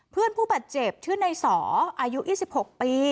เพื่อนผู้ปัดเจ็บชื่อนายสออายุ๒๖ปี